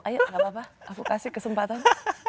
ayo gak apa apa aku kasih kesempatan